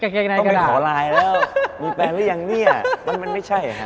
แก่ไก่ไหนกันอะต้องไปขอไลน์แล้วมีแฟนรึยังเนี่ยมันไม่ใช่อะ